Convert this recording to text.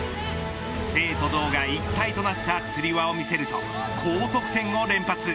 静と動が一体となったつり輪を見せると高得点を連発。